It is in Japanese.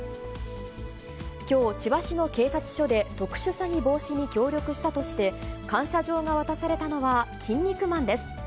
きょう、千葉市の警察署で特殊詐欺防止に協力したとして、感謝状が渡されたのはキン肉マンです。